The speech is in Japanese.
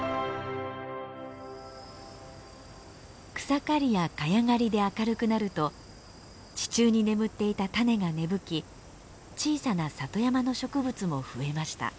草刈りやカヤ刈りで明るくなると地中に眠っていた種が芽吹き小さな里山の植物も増えました。